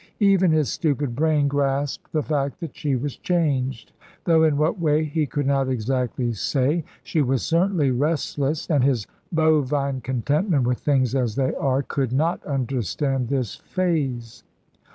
Even his stupid brain grasped the fact that she was changed, though in what way he could not exactly say. She was certainly restless, and his bovine contentment with things as they are could not understand this phase.